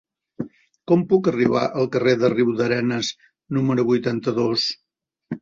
Com puc arribar al carrer de Riudarenes número vuitanta-dos?